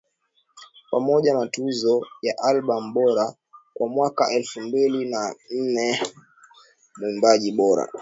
pamoja na Tuzo ya Albamu Bora kwa mwaka elfu mbili na nne Mwimbaji Bora